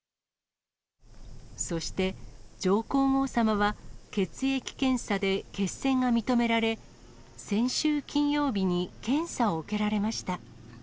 そして、上皇后さまは血液検査で血栓が認められ、先週金曜日に検査を受けられました。